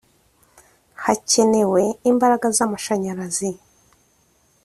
Hacyenewe imbaraga z’ amashanyarazi